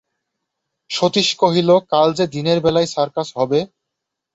সতীশ কহিল, কাল যে দিনের বেলায় সার্কাস হবে।